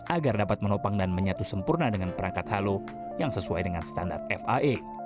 agar dapat menopang dan menyatu sempurna dengan perangkat halo yang sesuai dengan standar fia